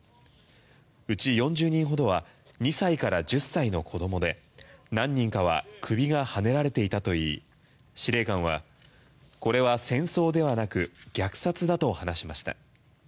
うち４０人ほどは２歳から１０歳の子供で何人かは首がはねられていたといい司令官はこれは戦争ではなく虐殺だと話しました。